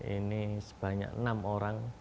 ini sebanyak enam orang